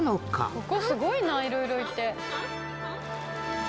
ここすごいないろいろいて。